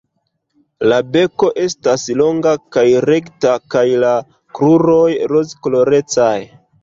La beko estas longa kaj rekta kaj la kruroj rozkolorecaj.